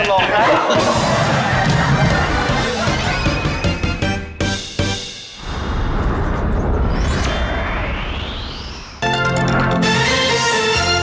โปรดติดตามตอนต่อไป